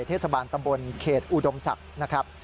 เทศบาลตำบลเขตอุดมศักดิ์นะครับ